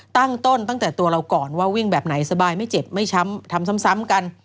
ตั้งต้นตั้งแต่ตัวเราก่อนว่าวิ่งแบบไหนสบายไม่เจ็บไม่ช้ำทำซ้ำกัน